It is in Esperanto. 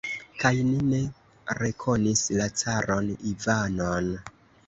Kaj ni ne rekonis la caron Ivanon!